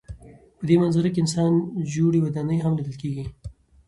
په دې منظره کې انسان جوړې ودانۍ هم لیدل کېږي.